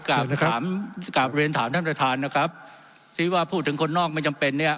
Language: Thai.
กลับถามกลับเรียนถามท่านประธานนะครับที่ว่าพูดถึงคนนอกไม่จำเป็นเนี่ย